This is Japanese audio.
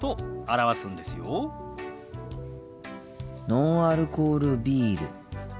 ノンアルコールビール。